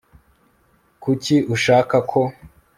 kuki ushaka ko